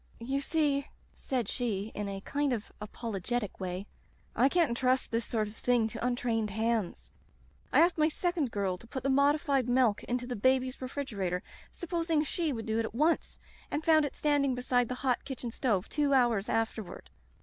"*You see,' said she in a kind of apolo getic way, *I can't intrust this sort of thing to untrained hands. I asked my second girl to put the modified milk into the baby's refrigerator, supposing she would do it at once — and found it standing beside the hot kitchen stove two hours afterward.